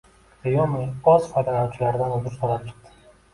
Xiaomi o‘z foydalanuvchilaridan uzr so‘rab chiqdi